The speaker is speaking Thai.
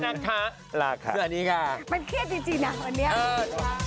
มันเครียดจริงนะวันนี้